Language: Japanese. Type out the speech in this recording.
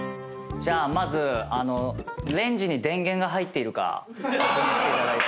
じゃあまずレンジに電源が入っているか確認していただいて。